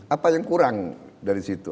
apa yang kurang dari situ